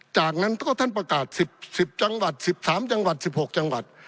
จากนั้นก็ท่านประกาศ๑๐จังหวัด๑๓จังหวัด๑๖จังหวัด